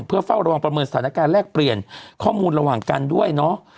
เพื่อเฝ้าระวังประเมินสถานการณ์แลกเปลี่ยนข้อมูลระหว่างกันด้วยเนาะ